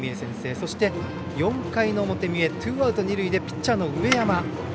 そして、４回の表三重、ツーアウト二塁でピッチャーの上山。